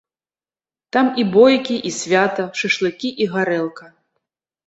Там і бойкі, і свята, шашлыкі і гарэлка.